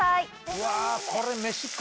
うわこれ。